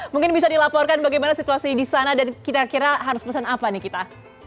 mungkin bisa dilaporkan bagaimana situasi di sana dan kira kira harus pesan apa nih kita